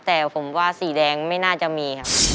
แต่ผมว่าสีแดงไม่น่าจะมีครับ